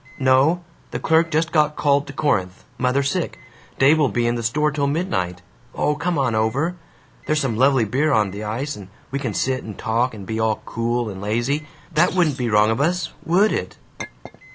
"No. The clerk just got called to Corinth mother sick. Dave will be in the store till midnight. Oh, come on over. There's some lovely beer on the ice, and we can sit and talk and be all cool and lazy. That wouldn't be wrong of us, WOULD it!"